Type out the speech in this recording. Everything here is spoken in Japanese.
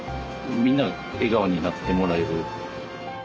みんな笑顔になってもらえる。